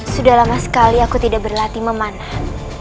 sudah lama sekali aku tidak berlatih memanah